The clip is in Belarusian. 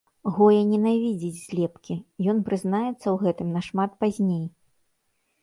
Гоя ненавідзіць злепкі, ён прызнаецца ў гэтым нашмат пазней.